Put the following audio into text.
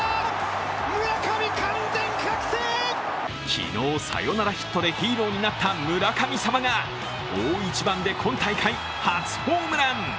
昨日、サヨナラヒットでヒーローになった村神様が大一番で今大会初ホームラン。